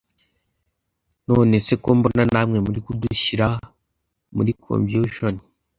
Nonese ko mbona namwe muri kudushyira muri confusion